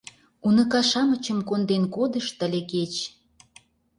Уныка-шамычым конден кодышт ыле кеч...